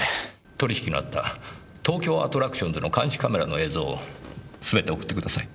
取引のあった東京アトラクションズの監視カメラの映像を全て送ってください。